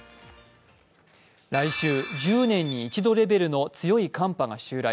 来週、１０年に一度レベルの強い寒波が襲来。